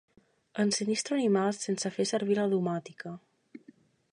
Ensinistro animals sense fer servir la domòtica.